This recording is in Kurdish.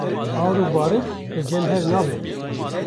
Ar û barût li cem hev nabe